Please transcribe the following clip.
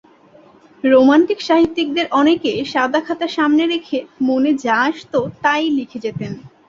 Romantic সাহিত্যিকদের অনেকে সাদা খাতা সামনে রেখে মনে যা আসত তা-ই লিখে যেতেন।